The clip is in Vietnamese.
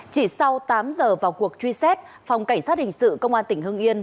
chỉ sau tám giờ vào cuộc truy xét phòng cảnh sát hình sự công an tỉnh hưng yên